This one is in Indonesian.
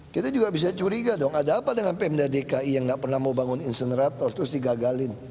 kita juga bisa curiga dong ada apa dengan pemda dki yang nggak pernah mau bangun insenerator terus digagalin